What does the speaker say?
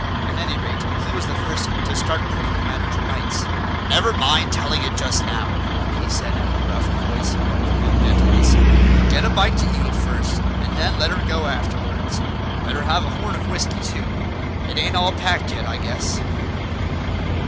At any rate, he was the first to start putting the matter to rights. "Never mind telling it just now," he said in a gruff voice, but with real gentleness; "get a bite t'eat first and then let her go afterwards. Better have a horn of whisky too. It ain't all packed yet, I guess."